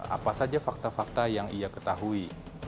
apa saja fakta fakta yang ia ketahui